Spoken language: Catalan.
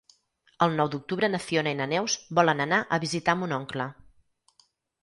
El nou d'octubre na Fiona i na Neus volen anar a visitar mon oncle.